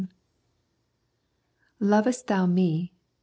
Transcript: Lovest thou Me